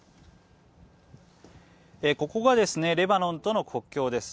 ここがですねレバノンとの国境です。